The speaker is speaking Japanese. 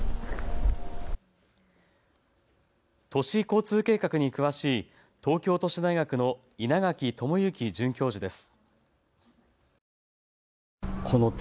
都市交通計画に詳しい東京都市大学の稲垣具志准教授です。